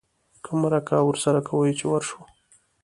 که مرکه ورسره کوې چې ورشو.